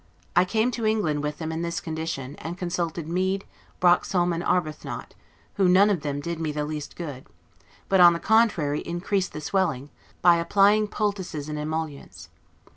I came to England with them in this condition; and consulted Mead, Broxholme, and Arbuthnot, who none of them did me the least good; but, on the contrary, increased the swelling, by applying poultices and emollients.